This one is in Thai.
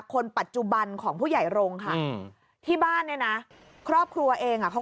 คนปัจจุบันของผู้ใหญ่โรงค่ะอืมที่บ้านเนี่ยนะครอบครัวเองอ่ะเขา